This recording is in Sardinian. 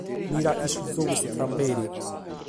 Mira chi su giogu est tramperi.